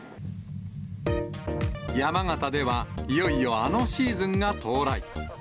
山形では、いよいよあのシーズンが到来。